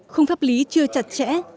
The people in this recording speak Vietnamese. không pháp lý chưa chặt chẽ